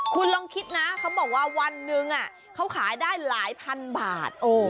คุณลองคิดนะเขาบอกว่าวันหนึ่งเขาขายได้หลายพันบาท